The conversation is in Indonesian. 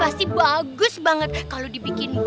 aku akan menganggap